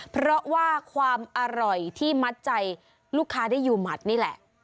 เพราะว่าความอร่อยที่มัดใจลูกค้าได้อยู่หมัดนี่แหละ